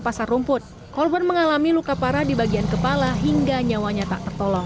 pasar rumput korban mengalami luka parah di bagian kepala hingga nyawanya tak tertolong